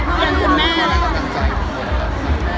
ของแม่ดังนั้นคือแม่